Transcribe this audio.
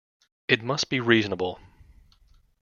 It must be reasonable.